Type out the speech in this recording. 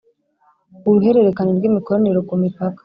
Uruhererekane rw imikoranire ku mipaka